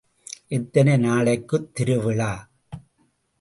எத்தனை நாளைக்குத் திருவிழா?